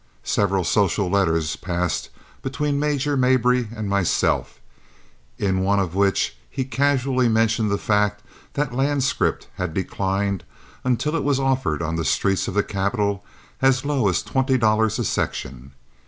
Several social letters passed between Major Mabry and myself, in one of which he casually mentioned the fact that land scrip had declined until it was offered on the streets of the capital as low as twenty dollars a section.